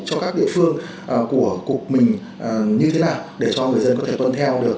cho các địa phương của cục mình như thế nào để cho người dân có thể tuân theo được